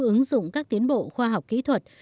ứng dụng các tiến bộ khoa học kỹ thuật